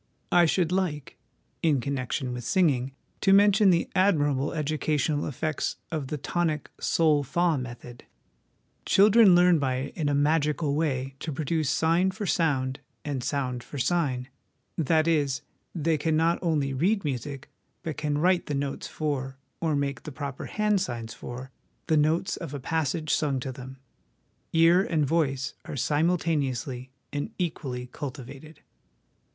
I should like, in connection with singing, to mention the admir able educational effects of the Tonic Sol fa method. 1 1 See Appendix A. LESSONS AS INSTRUMENTS OF EDUCATION 315 Children learn by it in a magical way to produce sign for sound and sound for sign, that is, they can not only read music, but can write the notes for, or make the proper hand signs for, the notes of a passage sung to them. Ear and voice are simultaneously and equally cultivated.